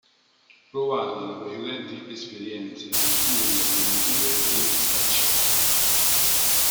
Provato dalle precedenti esperienze e privo di alternative egli accetta.